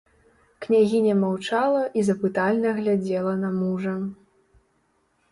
Княгіня маўчала і запытальна глядзела на мужа.